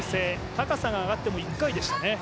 高さが上がっても１回でしたね。